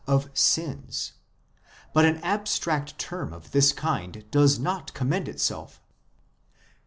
of sins ; but an abstract term of this kind does not commend itself.